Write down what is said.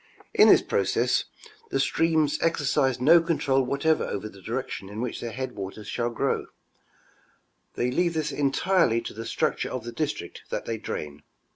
In this process, the streams exercise no control whatever over the direction in which their headwaters shall grow ; they leave this entirel}" to the structure of the district that they drain.